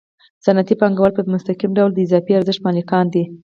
صنعتي پانګوال په مستقیم ډول د اضافي ارزښت مالکان دي